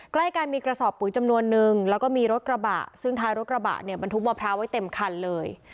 ใกล้กันมีกระสอบปุ๋ยจำนวนนึงแล้วก็มีรถกระบะซึ่งท้ายรถกระบะเนี่ยบรรทุกมะพร้าวไว้เต็มคันเลย